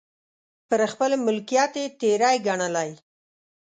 پر خپل ملکیت یې تېری ګڼلی.